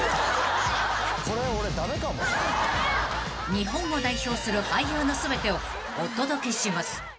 日本を代表する俳優の全てをお届けします。